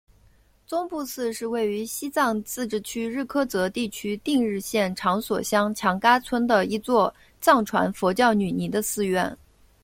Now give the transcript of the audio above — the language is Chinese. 宗布寺是位于西藏自治区日喀则地区定日县长所乡强噶村的一座藏传佛教女尼的寺院。